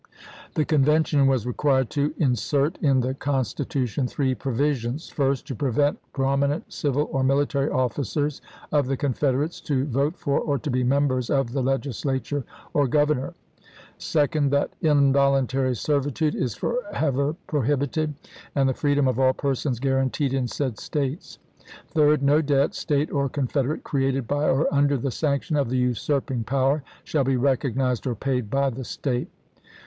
The convention was required to insert in the con stitution three provisions : First, to prevent prom inent civil or military officers of the Confederates to vote for or to be members of the legislature or governor ; second, that involuntary servitude is forever prohibited, and the freedom of all persons guaranteed in said States ; third, no debt, State or Confederate, created by or under the sanction of the usurping power, shall be recognized or paid by the State.